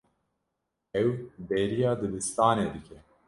Ew bêriya dibistanê dike.